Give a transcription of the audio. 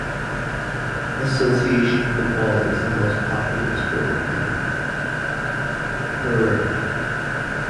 Association football is the most popular sport in Pu'er.